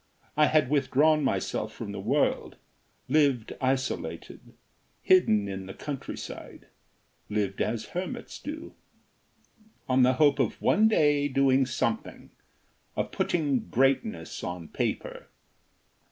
I had withdrawn myself from the world, lived isolated, hidden in the countryside, lived as hermits do, on the hope of one day doing something of putting greatness on paper.